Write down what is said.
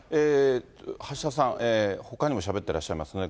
橋田さん、ほかにもしゃべってらっしゃいますね。